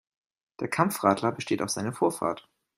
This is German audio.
Der Kampfradler besteht auf seine Vorfahrt.